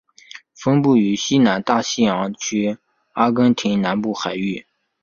分布于西南大西洋区阿根廷南部海域。